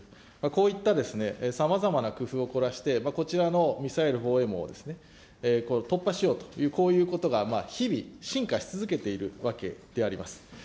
こういったさまざまな工夫を凝らして、こちらのミサイル防衛網を突破しようという、こういうことが日々進化し続けているわけであります。